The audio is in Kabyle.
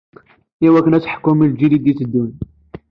Iwakken ad teḥkum i lǧil i d-itteddun.